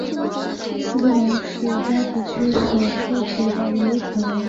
斯基龙是该地区所出土的唯一恐龙。